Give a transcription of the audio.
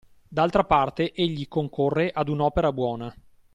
D’altra parte egli concorre ad un’opera buona